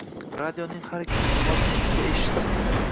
Radioning har kuni soat ikkida eshit.